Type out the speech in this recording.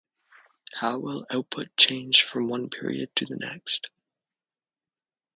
How will output change from one period to the next?